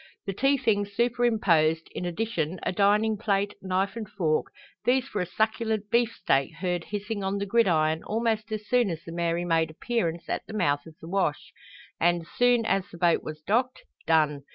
The tea things superimposed, in addition a dining plate, knife and fork, these for a succulent beefsteak heard hissing on the gridiron almost as soon as the Mary made appearance at the mouth of the wash, and, soon as the boat was docked, done.